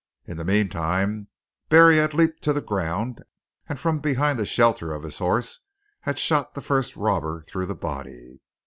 In the meantime Barry had leaped to the ground, and from behind the shelter of his horse had shot the first robber through the body.